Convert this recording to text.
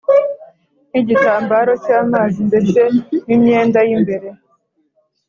nk’igitambaro cy’amazi ndetse n’imyenda y’imbere